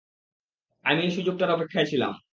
আমি এই সুযোগটার অপেক্ষায় ছিলাম।